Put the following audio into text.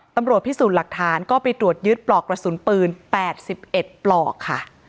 ตำรวจพิสูจน์หลักฐานก็ไปตรวจยึดปลอกกระสุนปืน๘๑ปลอกค่ะ